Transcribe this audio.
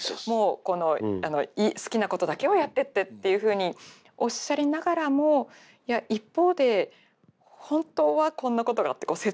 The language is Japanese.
「もう好きなことだけをやってって」っていうふうにおっしゃりながらもいや一方で「本当はこんなことがあって」